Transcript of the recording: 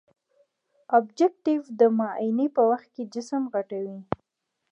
ابجکتیف د معاینې په وخت کې جسم غټوي.